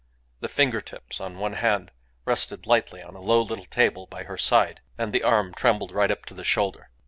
The finger tips on one hand rested lightly on a low little table by her side, and the arm trembled right up to the shoulder.